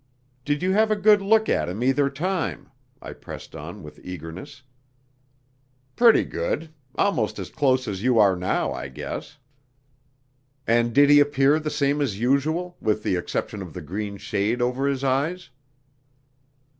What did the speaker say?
"Did you have a good look at him either time?" I pressed on, with eagerness. "Pretty good. Almost as close as you are now, I guess." "And did he appear the same as usual, with the exception of the green shade over his eyes?"